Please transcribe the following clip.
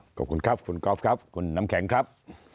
ขอบคุณครับคุณกอล์ฟครับคุณน้ำแข็งครับ